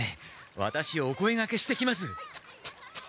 ワタシお声がけしてきます。